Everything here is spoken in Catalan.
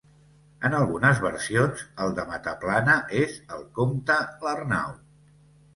En algunes versions el de Mataplana és el Comte l'Arnau.